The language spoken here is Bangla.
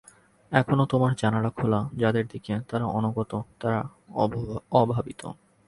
এখনও তোমার জানলা খোলা যাদের দিকে, তারা অনাগত তারা অভাবিত।